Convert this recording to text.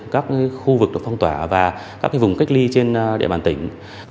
các khu vực được phong tỏa và các vùng cách ly trên địa bàn tỉnh